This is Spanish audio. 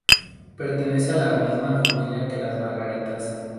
Pertenece a la misma familia que las margaritas.